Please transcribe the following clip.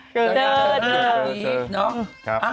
เจอกัน